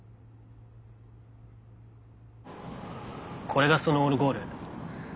これがそのオルゴール。